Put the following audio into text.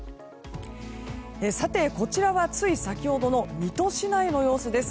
さて、こちらはつい先ほどの水戸市内の様子です。